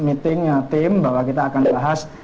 meetingnya tim bahwa kita akan bahas